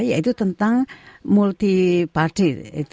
yaitu tentang multi party